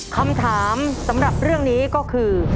คำถามสำหรับเรื่องนี้ก็คือ